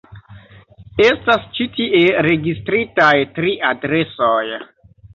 Estas ĉi tie registritaj tri adresoj.